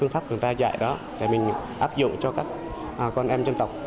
tập viết tập đọc cho các em